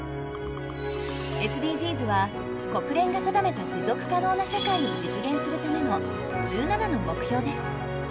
ＳＤＧｓは国連が定めた持続可能な社会を実現するための１７の目標です。